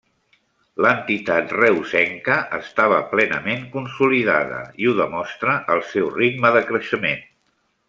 L'entitat reusenca estava plenament consolidada i ho demostra el seu ritme de creixement.